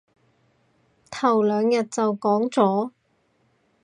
頭兩日就講咗